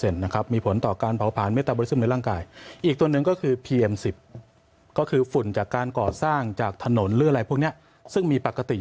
น้ำพรมหรืออะไรก็หยุดได้